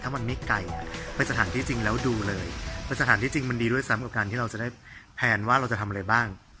ถ้ามันไม่ไกลไปสถานที่จริงแล้วดูเลยสถานที่จริงมันดีด้วยซ้ำกับการที่เราจะได้แพลนว่าเราจะทำอะไรบ้าง